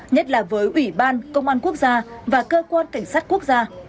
nhất là với ủy ban công an quốc gia và cơ quan cảnh sát quốc gia